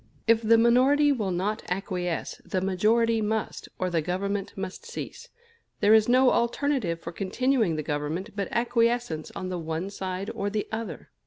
If the minority will not acquiesce, the majority must, or the Government must cease. There is no alternative for continuing the Government but acquiescence on the one side or the other.